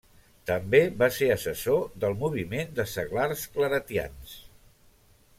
També va ser assessor del moviment de Seglars Claretians.